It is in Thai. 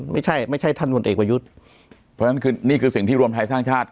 ไม่ใช่ไม่ใช่ท่านผลเอกประยุทธ์เพราะฉะนั้นคือนี่คือสิ่งที่รวมไทยสร้างชาติ